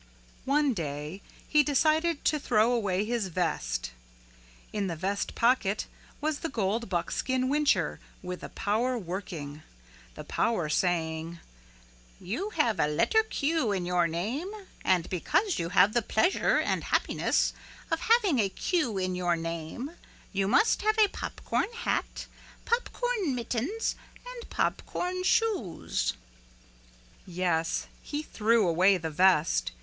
One day he decided to throw away his vest. In the vest pocket was the gold buckskin whincher, with the power working, the power saying, "You have a letter Q in your name and because you have the pleasure and happiness of having a Q in your name you must have a popcorn hat, popcorn mittens and popcorn shoes." Yes, he threw away the vest.